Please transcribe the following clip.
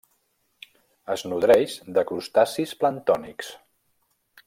Es nodreix de crustacis planctònics.